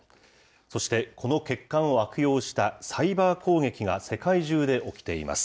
そして、この欠陥を悪用したサイバー攻撃が世界中で起きています。